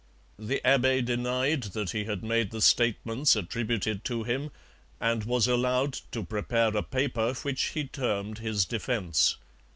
The abbe denied that he had made the statements attributed to him, and was allowed to prepare a paper which he termed his defence.